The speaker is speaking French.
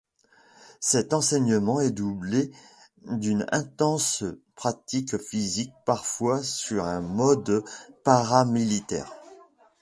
Cet enseignement est doublé d’une intense pratique physique, parfois sur un mode paramilitaire.